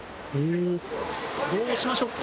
どうしましょうか？